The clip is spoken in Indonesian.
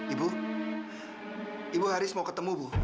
ibu ibu haris mau ketemu bu